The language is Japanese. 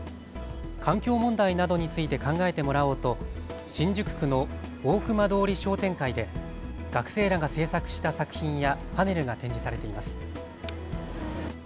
環境問題などについて考えてもらおうと新宿区の大隈通り商店会で学生らが制作した作品やパネルが展示されています。